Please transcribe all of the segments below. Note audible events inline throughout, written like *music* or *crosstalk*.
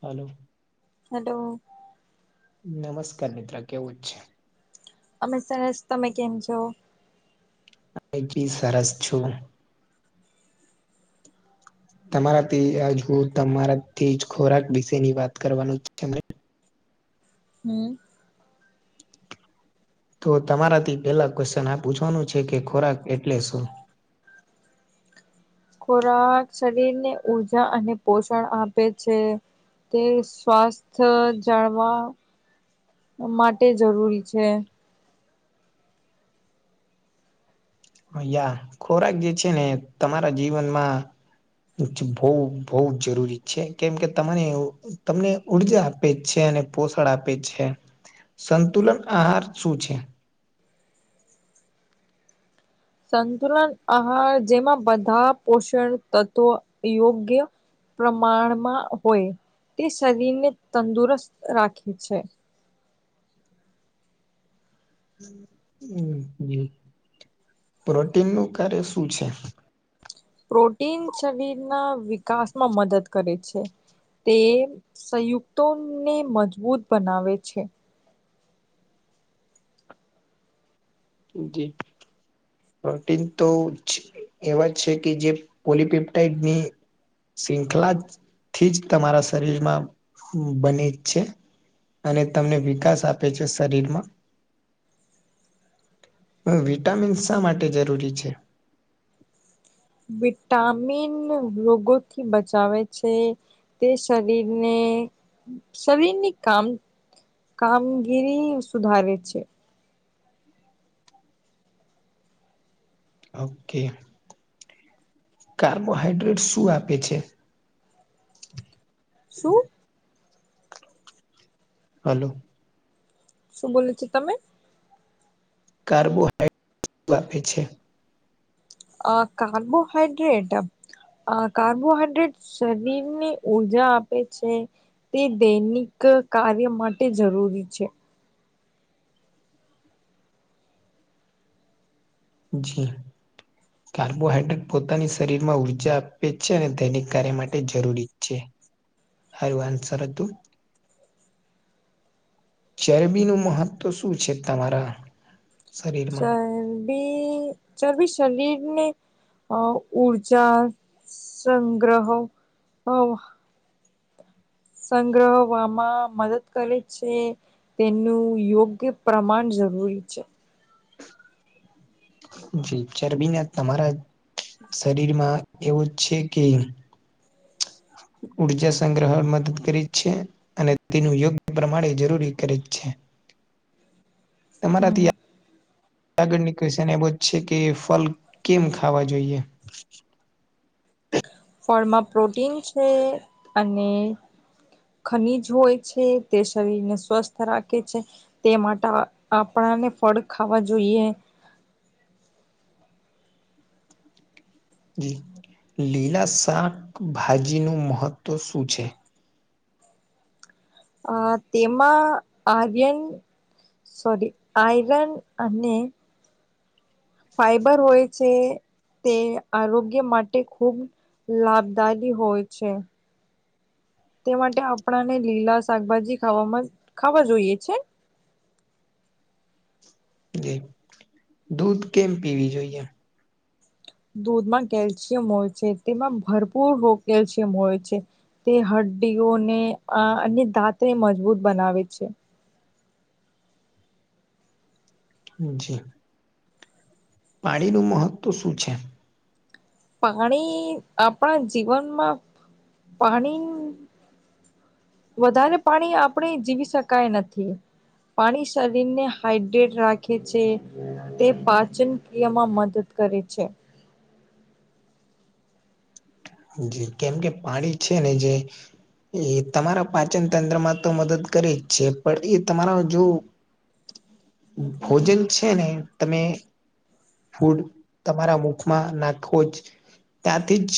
Hello hello નમસ્કાર મિત્ર કેવું જ છે. અમે સરસ તમે કેમ છો. હ ચી સરસ છુ. તમારાથી આજ હું તમારાથીજ ખોરાક વિશે ની વાત કરવાનું છે. હમ્મ તો તમારાથી પેલા ક્વેશ્ચન આ પૂછવાનું છે, કે ખોરાક એટલે શું ખોરાક શરીરને ઉઊર્જા અને પોષણ આપે છે. તે સ્વાસ્થ જાળવા માટે જરૂરી છે. યા ખોરાક જે છે ને તમારા જીવનમાં બહ બઉુ જરૂરી છે કેમ કે તમારે તમને ઉર્જા આપે જ છે અને પોષણ આપે છે. સંતુલન આહાર શું છે. સંતુલન આહાર જેમાં બધા પોષણ તત્વો યોગ્ય પ્રમાણમાં હોય તે શરીરને તંદુરસ્ત રાખે છે. હમ પ્રોટીન નું કાર્ય શું છે. પ્રોટીન શરીરના વિકાસમાં મદદ કરે છે. તે સંયુક્તોને મજબૂત બનાવે છે. જી પ્રોટીન તો એવા જ છે કે જે પોલીપેપ્ટાઈડની શૃંખલા થી જ તમારા શરીરમાં બની જ છે. અને તમને વિકાસ આપે છે, શરીર માં હ વિટામિન શા માટે જરૂરી છે. વિટામિન રોગોથી બચાવે છે. તે શરીરને શરીરની કામ કામગીરી સુધારે છે. ઓકે કાર્બોહાઈડ્રેટ શું આપે છે. શું હલોો શું બ છે, તમે કાર્બોહાઈડ્રેટ આપપે છે. આ કાર્બોહૈડ્રેટ આ કાર્બોહાઈડ્રેટ શરીર ની ઉર્જા આપે છે. તે દૈનિક કાર્ય માટે જરૂરી છે. હ જી કાર્બોહાઈડ્રેટ પોતાની શરીર માં ઉર્જા આપે છે અને દૈનિક કાર્ય માટે જરૂરી છે. હ આન્સર હતુ ચરબીનુંું મહત્વ શું છે, તમારા શરીરમાં ચરબી ચરબી શરીર ને અ ઉઊર્જા સંગ્રહો સંગ્રહવામાં મદદ કરે છે. તેનું યોગ્ય પ્રમાણ જરૂરી છે. જી ચરબીને તમારા શરીરમાં એવું છે, કે ઉર્જા સંગ્રહ મદદ કરી છે. અને તેનું યોગ્ય પ્રમાણે જરૂરી કરે છે તમારા હમ તં આગળની ક્વશન એ બ છે, કે ફલ કેમ ખાવા જોઈએ ફળમાં પ્રોટીન છે, અને ખનીજ હોય છે તે શરીરને સ્વસ્થ રાખે છે તે માટે આપણાને ફળ ખાવા જોઈએ જ લીલા શાકભાજી નું મહત્વ શું છે. અ તેમાં આર્યન સોારી આઈરન અનેને છે. તે આરોગ્ય માટે ખુબ લાભદાયી હોય છે. તે માટે આપણાને લીલા શાકભાજી ખાવામાં ખાવા જોઈએ છે. જી દૂધ કેમ પીવી જોઈએ દૂધમાં કેલ્શિયમ હોય છે તેમાં ભરપૂર રોગ કેલ્શિયમ હોય છે. તે હડ્ડીઓને અ અને દાંતે મજબૂત બનાવે છે. જી પાણી નું મહત્વ શું છે? પાણી આપણા જીવનમાં પાણી વધારે પાણી આપણે જીવી શકાય નથી પાણી શરીર ને હાઈડ્રેટ રાખે છે. તે પાચન ક્રિયામાં મદદ કરે છે. જી કેમ કે પાણી છે, ને જે એ તમારા પાચન તંત્રમાં તો મદદ કરે જ છે, પણ એ તમારા જો ભોજન છે, ને તમે ફૂડ તમારા મુખમાં નાખવો જ ત્યાંથી જ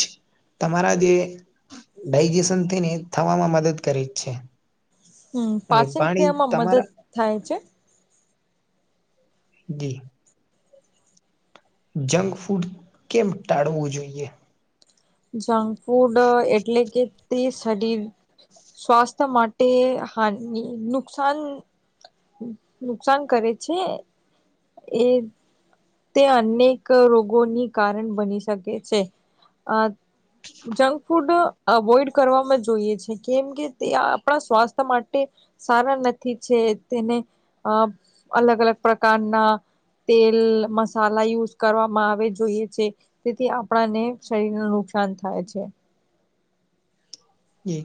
તમારા જે ડાયજેશન થયને થવામાં મદદ કરી જ છે. હમ અને પાચન પાણી ક્રિયામાં મદદ તમારા થાય છે. જી. જંક ફૂડ કેમ ટાળવું જોઈએ? જંક ફૂડ એટલે કે ત્રી શદી સ્વાસ્થ્ય માટે હાની નુકસાન નુકસાન કરે છે, એ તે અનેક રોગોની કારણ બની શકે છે. આ જંક ફુડ અવોઈડ કરવામાં જોઈએ છે કેમ કે તે આપણા સ્વાસ્થ્ય માટે સારા નથી છે, તેને અ અલગ અલગ પ્રકારના તેલ મસાલા યુઝ કરવામાં આવે જોઈએ છે. તેથી આપણાને શરીર નુ નુકસાન થાય છે. એ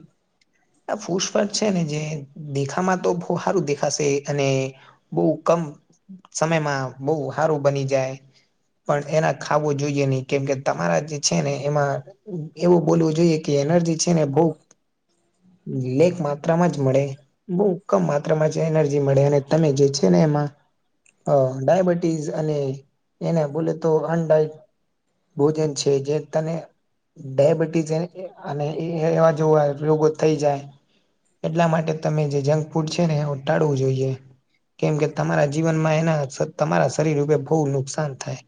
આ ફૂસફાટ છે, ને જે દેખામાં તો બો હારું દેખાશે અને બો કમ સમયમાં બો હારું બની જાય પણ એના ખાવો જોઈએ ની કેમકે તમારા જે છે, ને એમાં એવું બોલવું જોઈએ કે એનર્જી છે, ને બઉ લેખ માત્રા માં જ મળે બઉ કમ માત્રામાં છે, એનર્જી મળે અને તમે જે છે, ને એમાં હ ડાયાબિટીસ અને એને બોલે તો અનડા ભોજન છે, જે તને ડયાબિટીસ અને એ એવા જોવાય રોગો થઈ જાય એટલા માટે તમે જે જંક ફૂડ છે, ને ટાળવું જોઈએ કેમ કે તમારા જીવનમાં એના તમારા શરીર રુપે બોવ નુકસાન થાય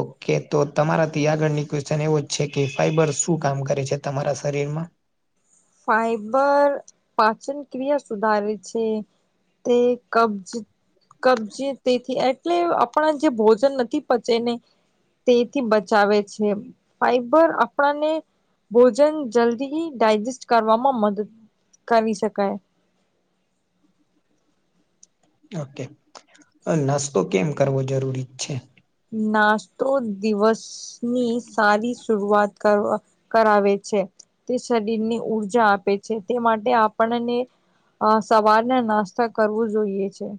ઓકે તો તમારાથી આગળની ક્વેશ્ચન એવો જ છે, કે ફાઈબર શું કામ કરે છે? તમારા શરીરમાં ફાઈબર પાચન ક્રિયા સુધારે છે. તે કબજ કબજ તેથી એટલે આપણા જે ભોજન નથી પચે ને તેથી બચાવે છે, ફાઈબર આપણને ભોજન જલ્દી ડાયજેસ્ટ કરવામાં મદદ કરી શકાય. ઓકે નાસ્તો કેમ કરવો જરૂરી છે? નાસ્તો દિવસ ની સારી શરઆત કરવ કરાવે છે. તે શરીરની ઉર્જા આપે છે, તે માટે આપણને અ સવારને નાસ્તા કરવું જોઈએ છે.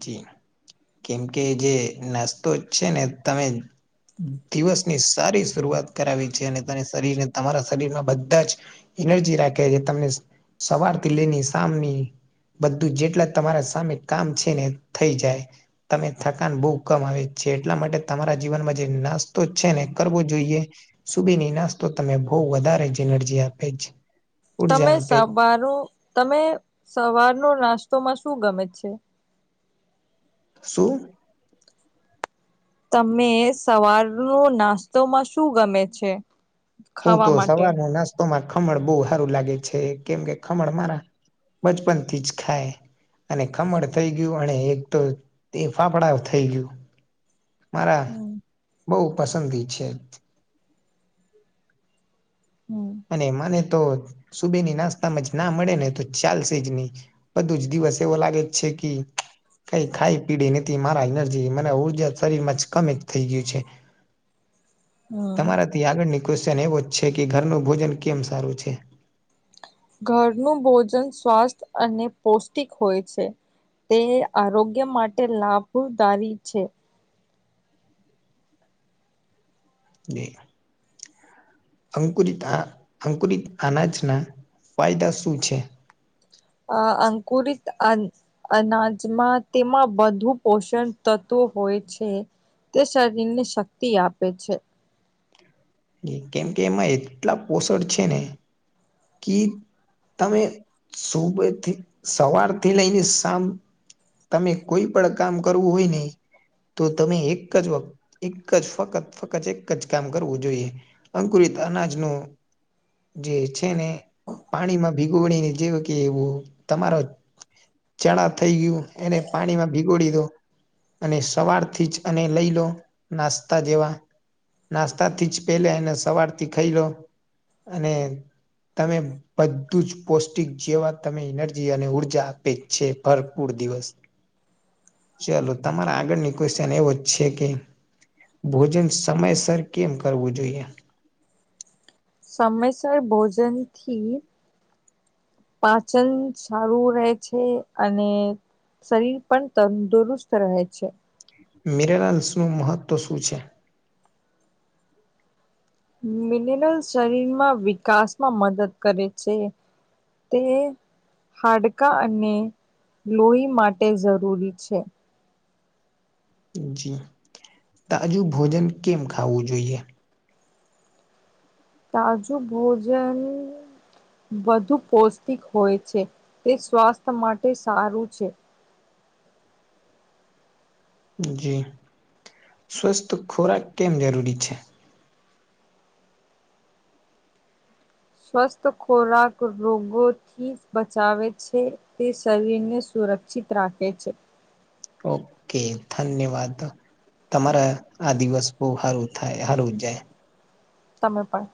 જી કેમ કે જે નાસ્તો છે, ને તમે દિવસની સારી શરૂઆત કરાવી છે, અને તને શરીરને તમારા શરીરમાં બધા જ એનર્જી રાખે તમને સવારથી લઈની સામ ની બધું જેટલા તમારા સામે કામ છે ને થઈ જાય. તમે થકાન બહુ કમ આવે છે જેટલા માટે તમારા જીવનમાં જે નાસ્તો છે ને કરવો જોઈએ. સુબીની નાસ્તો તમે બહુ વધારે જ એનર્જી આપે છે. ઉર્જા તમે આપે સવારુ તમે સવારનો નાસ્તોમાં શું ગમે છે? સું? તમે સવાર નુ નાસ્તોમાં શું ગમે છે. હું ખાવા તો માટે સવાર ન નાસ્તોમાં ખમણ બહુ સારું લાગે છે કેમ કે ખમણ મારા બચપન થી જ ખાય. અને ખમણ થઈ ગયું અને એક તો તે ફાફડા થઈ ગયું. મારા હમ બહુ પસંદગી છે. હમ અને મને તો સુબેની નાસ્તામાં જ ના મળે ને તો ચાલશેજની બ દુજ દિવસ એવો લાગે જ છે કે કઈ ખાઈ પીડી નથી મારા એનર્જી મારા ઉર્જા શરીર માં જ કમે થઈ ગયું છે. *inaudible* હમ તમારાથી આગળની ક્વેશ્ચન એવો છે કે ઘરનું ભોજન કેમ સારું છે. ઘરનું ભોજન સ્વાસ્થ અને પૌષ્ટિક હોય છે. તે આરોગ્ય માટે લાભદારી છે. જ અંકુરિત આ અંકુરિત અનાજના ફાયદા શું છે? અ અંકુરિત અન્ન અનાજમાં તેમાં બધું પોષણ તત્વ હોય છે. તે શરીર ને શક્તિ આપે છે. કેમ કે એમાં એટલા પોષણ છે ને કે તમે સુબેથી સવારથી લઈને શામ તમે કોઈ પણ કામ કરવું હોય નહી તો તમે એક જ વ એક જ ફત ફ્ક્ત ફક્ત એક જ કામ કરવું જોઈએ. અંકુરિત અનાજ નુ જે છે ને પાણીમાં ભીગોવીને જેવ કે એવું તમારો ચણા થઈ ગયું એને પાણીમાં ભીગોડી દો અને સવાર થી જ અને લઈ લો નાસ્તા જેવા નાસ્તાથી જ પેલા એને સવારથી ખાઈ લો અને તમે બધું જ પૌષ્ટિક જેવા તમે એનર્જી અને ઉર્જા આપે છે ભરપૂર દિવસ ચલો તમારા આગળની ક્વેશ્ચન એવો છે કે ભોજન સમયસર કેમ કરવું જોઈએ સમયસર ભોજન થી. પાચન સારું રહે છે અને શરીર પણ તંદુરસ્ત રહે છે. મિરરલ્સનું મહત્ત્વ શું છે? મિનરલ શરીરમાં વિકાસમાં મદદ કરે છે. તે હાડકા અને લોહી માટે જરૂરી છે. જી તાજુ ભોજન કેમ ખાવું જોઈએ? તાજુ ભોજન વધુ પૌષ્ટિક હોય છે તે સ્વાસ્થ્ય માટે સારું છે. જી સ્વસ્થ ખોરાક કેમ જરૂરી છે. સ્વસ્થ ખોરાક રોગોથી બચાવે છે. તે શરીરને સુરક્ષિત રાખે છે. ઓકે ધન્યવાદ તમારા આ દિવસ બહુ સારું થાય હારું જાય તમેળ પણણ